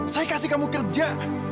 saya kasih kamu kerja